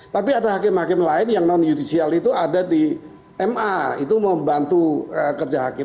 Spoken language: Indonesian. tapi ada hakim hakim lain yang non judicial itu ada di ma itu membantu kerja hakim